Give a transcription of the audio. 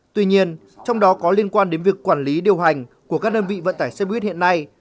tuy nhiên trong đó có liên quan đến việc quản lý điều hành của các đơn vị vận tải xe buýt hiện nay